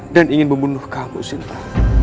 dan ingin membunuh kamu sinta